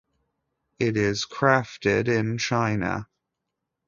It is crafted in China.